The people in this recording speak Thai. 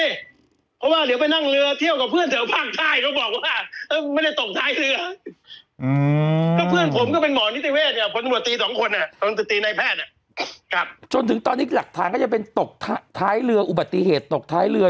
เพราะว่าเหลือไปนั่งเรือเที่ยวกับเพื่อนเสือภาคไทยเขาบอกว่าไม่ได้ตกท้ายเรือ